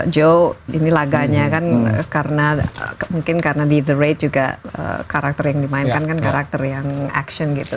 joe ini laganya kan karena mungkin karena di the rate juga karakter yang dimainkan kan karakter yang action gitu